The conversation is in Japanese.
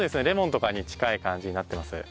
レモンとかに近い感じになってます。